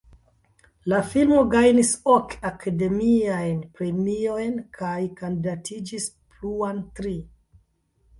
La filmo gajnis ok Akademiajn Premiojn kaj kandidatiĝis pluan tri.